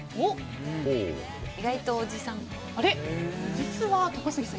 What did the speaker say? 実は高杉さん